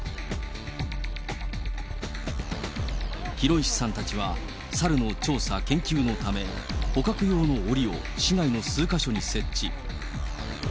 広石さんたちはサルの調査・研究のため、捕獲用のおりを市内の数か所に設置。